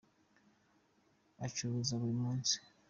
acuruza burimunsi.